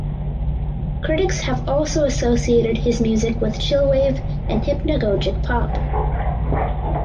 Critics have also associated his music with chillwave and hypnagogic pop.